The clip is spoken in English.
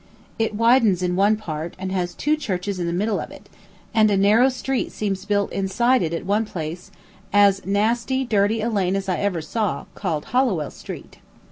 It widens in one part, and has two churches in the middle of it, and a narrow street seems built inside it at one place, as nasty, dirty a lane as I ever saw, called Hollowell Street.